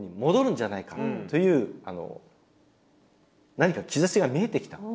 何か兆しが見えてきた。